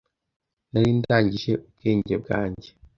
Nari ndangije ubwenge bwanjye